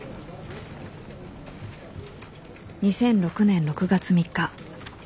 ２００６年６月３日。